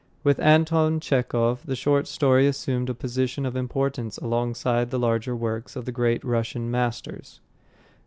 With Anton Chekhov the short story assumed a position of importance alongside the larger works of the great Russian masters.